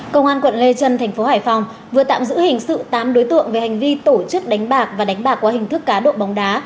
công an quận lê trân thành phố hải phòng vừa tạm giữ hình sự tám đối tượng về hành vi tổ chức đánh bạc và đánh bạc qua hình thức cá độ bóng đá